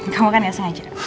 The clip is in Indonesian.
kamu kan gak sengaja